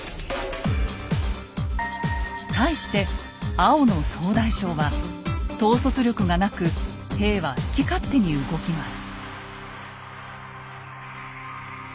対して青の総大将は統率力がなく兵は好き勝手に動きます。